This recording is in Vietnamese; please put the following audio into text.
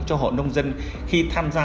cho hộ nông dân khi tham gia